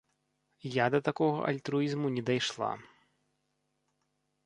Я да такога альтруізму не дайшла.